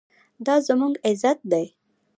دا زموږ عزت دی؟